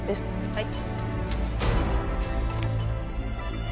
はい。